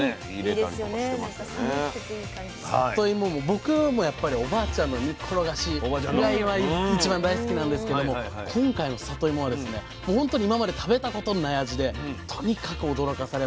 僕もやっぱりおばあちゃんの煮っころがしが一番大好きなんですけども今回のさといもはもう本当に今まで食べたことのない味でとにかく驚かされました。